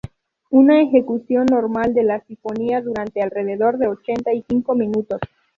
Una ejecución normal de la sinfonía dura alrededor de ochenta y cinco minutos.